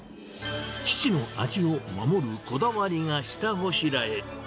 父の味を守るこだわりが下ごしらえ。